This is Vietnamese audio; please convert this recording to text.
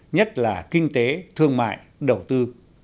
nhất là kinh tế thương mại đầu tư